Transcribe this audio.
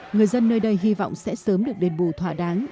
người dân nơi đây hy vọng sẽ sớm được đền bù thỏa đáng